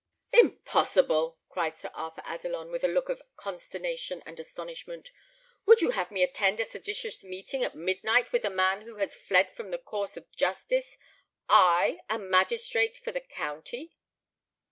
"Impossible!" cried Sir Arthur Adelon, with a look of consternation and astonishment. "Would you have me attend a seditious meeting at midnight with a man who has fled from the course of justice I, a magistrate for the county?"